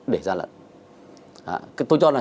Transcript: để ra lận tôi cho là